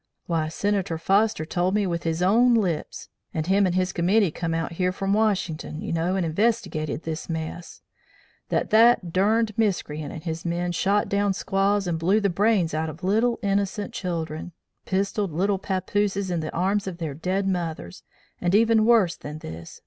Why, Senator Foster told me with his own lips (and him and his Committee come out yer from Washington, you know, and investigated this muss), that that thar durned miscreant and his men shot down squaws, and blew the brains out of little innocent children pistoled little papooses in the arms of their dead mothers, and even worse than this!